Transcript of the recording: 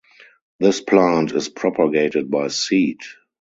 This plant is propagated by seed.